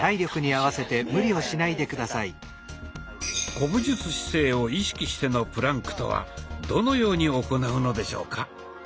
古武術姿勢を意識してのプランクとはどのように行うのでしょうか？